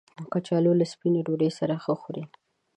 کچالو له سپینې ډوډۍ سره ښه خوري